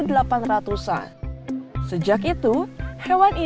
hewan ini populer dan terkenal untuk membuat kelinci